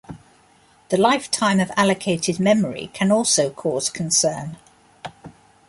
The lifetime of allocated memory can also cause concern.